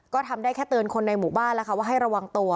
ก็ทำได้แค่เตือนคนในหมู่บ้านแล้วค่ะว่าให้ระวังตัว